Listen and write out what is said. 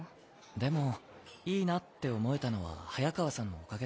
でもいいなって思えたのは早川さんのおかげだし。